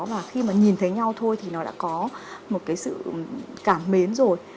và khi mà nhìn thấy nhau thôi thì nó đã có một cái sự cảm mến rồi